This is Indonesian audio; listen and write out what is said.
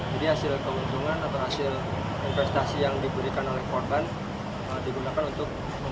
jadi hasil keuntungan atau hasil investasi yang diberikan oleh korban ini tidak menyebabkan bahwa tas tersebut macet